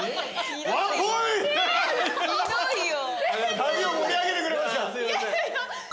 旅を盛り上げてくれました。